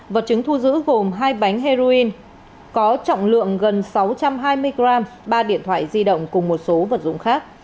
vật chứng thu giữ gồm hai bánh heroin có trọng lượng gần sáu trăm hai mươi g ba điện thoại di động cùng một số vật dụng khác